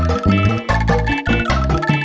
sebelum itu travailler di indonesia